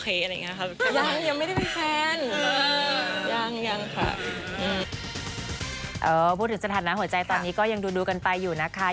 พูดถึงสถานะหัวใจตอนนี้ก็ยังดูกันไปอยู่นะคะ